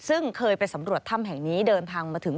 ซึ่งเคยไปสำรวจถ้ำแห่งนี้เดินทางมาถึง